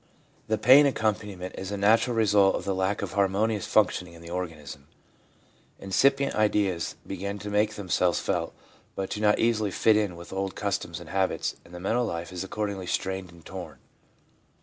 The pain accompani ment is the natural result of the lack of harmonious functioning in the organism. Incipient ideas begin to make themselves felt, but do not easily fit in with old customs and habits, and the mental life is accordingly strained and torn.